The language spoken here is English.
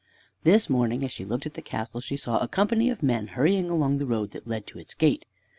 This morning, as she looked at the castle, she saw a company of men hurrying along the road that led to its gate.